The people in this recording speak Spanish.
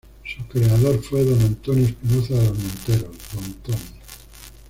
Su creador fue Don Antonio Espinoza de los Monteros 'Don Tony'.